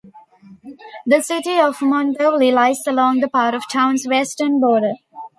The city of Mondovi lies along part of the town's western border.